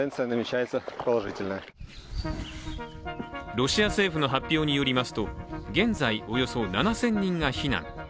ロシア政府の発表によりますと現在およそ７０００人が避難。